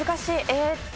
えーっと。